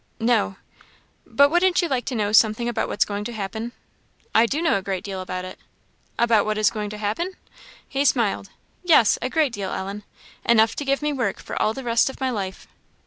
"No." "But wouldn't you like to know something about what's going to happen?" "I do know a great deal about it." "About what is going to happen!" He smiled. "Yes a great deal, Ellen enough to give me work for all the rest of my life."